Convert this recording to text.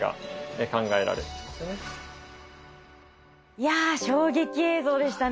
いや衝撃映像でしたね。